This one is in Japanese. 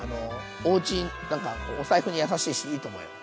おうちなんかお財布に優しいしいいと思うよ。